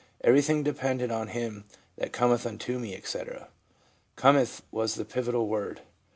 Everything depended on "Him that cometh unto me," etc.; " cometh " was the pivotal word.